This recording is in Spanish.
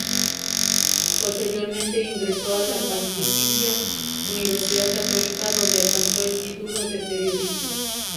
Posteriormente ingresó a la Pontificia Universidad Católica, donde alcanzó el título de periodista.